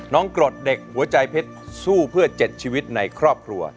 กรดเด็กหัวใจเพชรสู้เพื่อ๗ชีวิตในครอบครัว